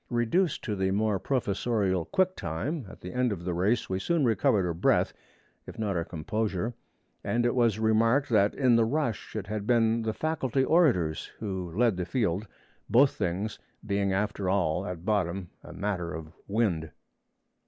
Reduced to the more professorial 'quick time' at the end of the race, we soon recovered our breath if not our composure, and it was remarked that in the rush it had been the Faculty orators who led the field; both things being after all at bottom a matter of wind.